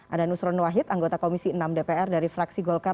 ada nusron wahid anggota komisi enam dpr dari fraksi golkar